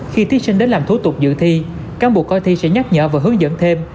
khi thí sinh đến làm thủ tục dự thi cán bộ coi thi sẽ nhắc nhở và hướng dẫn thêm